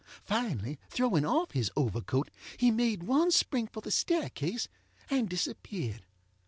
Finally, throwing off his overcoat, he made one spring for the staircase and disappeared.